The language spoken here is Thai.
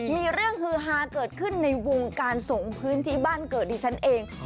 มีเรื่องฮือฮาเกิดขึ้นในวงการส่งพื้นที่บ้านเกิดดิฉันเอง